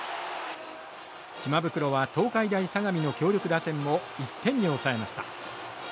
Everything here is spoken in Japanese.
島袋は東海大相模の強力打線を１点に抑えました。